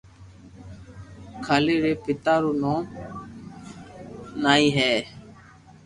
ڪالي ري پيتا رو نوم نائي ھي